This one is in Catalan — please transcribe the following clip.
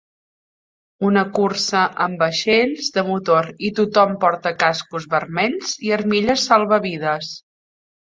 Una cursa amb vaixells de motor i tothom porta cascos vermells i armilles salvavides.